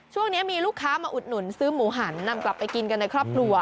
ช่วงนี้มีลูกค้ามาอุดหนุนซื้อหมูหันนำกลับไปกินกันในครอบครัว